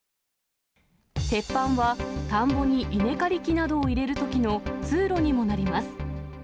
鉄板は田んぼに稲刈り機などを入れるときの通路にもなります。